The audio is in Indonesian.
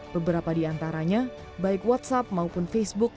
beberapa di antaranya baik whatsapp maupun facebook